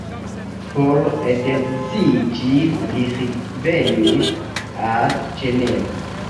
Por edziĝi li revenis al Ĝenevo.